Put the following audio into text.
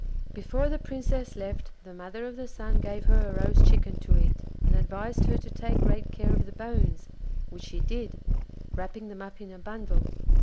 Before the Princess left the mother of the Sun gave her a roast chicken to eat, and advised her to take great care of the bones, which she did, wrapping them up in a bundle.